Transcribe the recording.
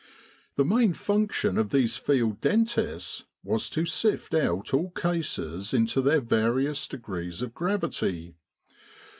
The main function of these field dentists was to sift out all cases into their various degrees of gravity.